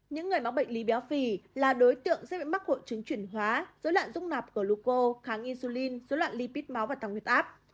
những người mắc bệnh lý béo phì là đối tượng sẽ bị mắc hội chứng chuyển hóa dối loạn rung nạp gluco kháng insulin dối loạn lipid máu và tăng huyết áp